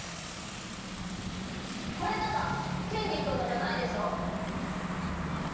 これとかケンジ君のじゃないでしょ？